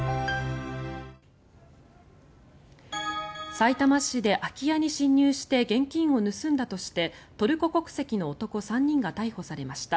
さいたま市で空き家に侵入して現金を盗んだとしてトルコ国籍の男３人が逮捕されました。